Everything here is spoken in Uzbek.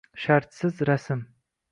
Shartsiz rasm